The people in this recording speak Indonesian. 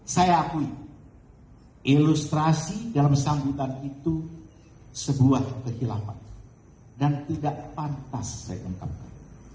saya akui ilustrasi dalam sambutan itu sebuah kehilapan dan tidak pantas saya ungkapkan